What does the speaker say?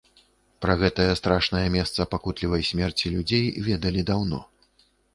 Пра гэтае страшнае месца пакутлівай смерці людзей ведалі даўно.